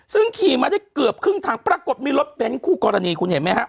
ซึ่งขี่มาได้เกือบครึ่งทางปรากฏมีรถเบ้นคู่กรณีคุณเห็นไหมฮะ